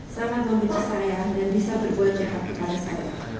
sangat meminta saya dan bisa berbuat jahat kepada saya